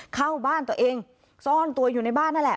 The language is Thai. เข้าบ้านตัวเองซ่อนตัวอยู่ในบ้านนั่นแหละ